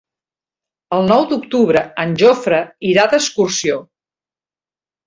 El nou d'octubre en Jofre irà d'excursió.